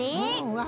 わ